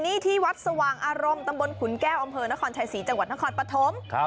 นี่ที่วัดสว่างอารมณ์ตำบลขุนแก้วอำเภอนครชัยศรีจังหวัดนครปฐม